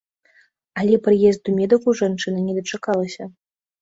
Але прыезду медыкаў жанчына не дачакалася.